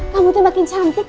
kamu tuh makin cantik